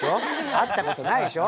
会ったことないでしょ。